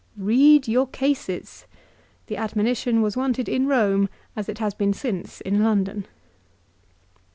" Eead your cases !" The admonition was wanted in Rome as it has been since in London.